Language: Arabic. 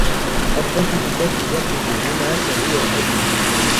الرجل الذي يقف هناك هو أبي.